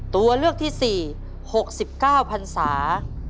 ตัวเลือกที่๔๖๙พันศา